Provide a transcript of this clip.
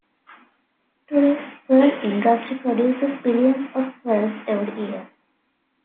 Today's pearl industry produces billions of pearls every year.